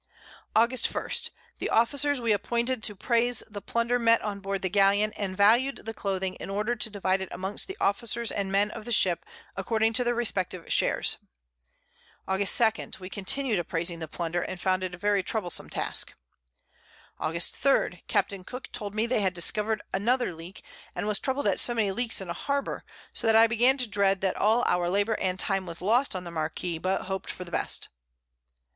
August 1. The Officers we appointed to praise the Plunder met on board the Galeon, and valued the Cloathing, in order to divide it amongst the Officers and Men of each Ship, according to their respective Shares. August 2. We continued appraising the Plunder, and found it a very troublesome Task. August 3. Capt. Cooke told me they had discover'd another Leak, and was troubled at so many Leaks in a Harbour; so that I began to dread that all our Labour and Time was lost on the Marquiss, but hop'd for the best.